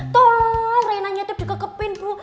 tolong reina nyetir di kekepin bu